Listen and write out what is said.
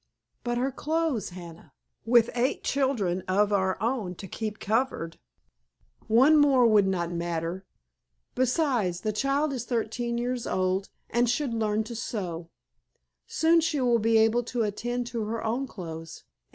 "But her clothes, Hannah? With eight children of our own to keep covered——" "One more would not matter. Beside, the child is thirteen years old, and should learn to sew. Soon she will be able to attend to her own clothes.